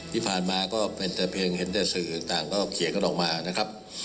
ที่ผ่านมาก็เป็นแต่เพียงเห็นแต่สื่อต่างก็เขียนกันออกมานะครับ